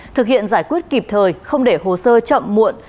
thực hiện giải quyết kịp thời không để hồ sơ chậm muộn